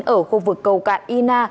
ở khu vực cầu cạn y na